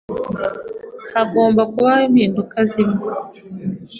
Hagomba kubaho impinduka zimwe.